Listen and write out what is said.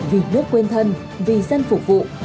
vì nước quên thân vì dân phục vụ